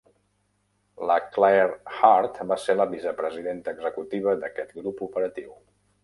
La Clare Hart va ser la vicepresidenta executiva d'aquest grup operatiu.